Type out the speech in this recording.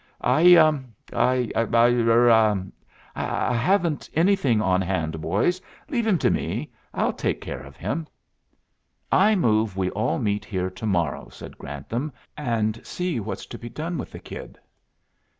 "I I er I haven't anything on hand, boys. Leave him to me. I'll take care of him." "I move we all meet here to morrow," said Grantham, "and see what's to be done with the kid."